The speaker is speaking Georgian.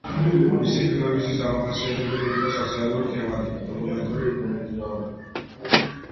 მისი ფილმებისთვის დამახასიათებელი იყო სოციალური თემატიკა, დოკუმენტური უტყუარობა.